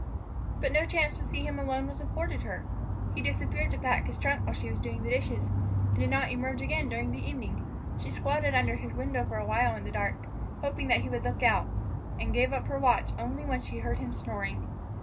But no chance to see him alone was afforded her. He disappeared to pack his trunk while she was doing the dishes, and did not emerge again during the evening. She squatted under his window for a while in the dark, hoping that he would look out, and gave up her watch only when she heard him snoring.